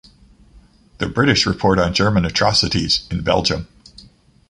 The British report on German atrocities in Belgium.